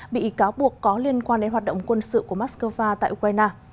bị cáo buộc có liên quan đến hoạt động quân sự của moscow tại ukraine